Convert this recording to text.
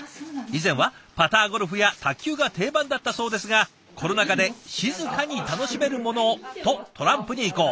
以前はパターゴルフや卓球が定番だったそうですがコロナ禍で静かに楽しめるものをとトランプに移行。